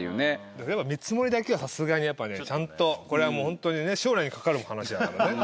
でも見積もりだけはさすがにやっぱねちゃんとこれはもうホント将来に関わる話だからね。